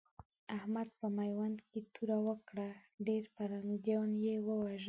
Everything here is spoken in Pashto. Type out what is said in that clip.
احمد په ميوند کې توره وکړه؛ ډېر پرنګيان يې ووژل.